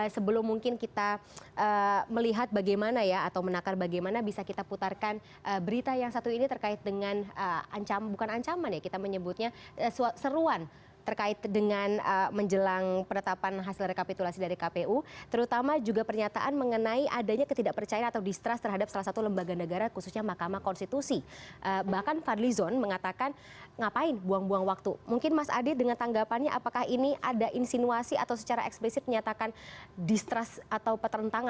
sebelum mungkin kita melihat bagaimana ya atau menakar bagaimana bisa kita putarkan berita yang satu ini terkait dengan ancaman bukan ancaman ya kita menyebutnya seruan